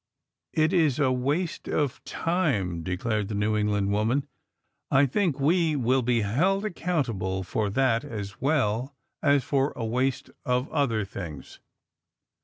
"" It is a waste of time," declared the New England woman. " I think we will be held accountable for that as well as for a waste of other things."